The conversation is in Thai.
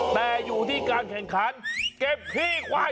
แต่อยู่ที่การแข่งขันเก็บขี้ควาย